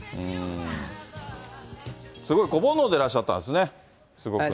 すごい子ぼんのうでいらっしゃったんですね、すごくね。